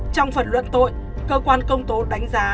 trong phần luận tội cơ quan công tố đánh giá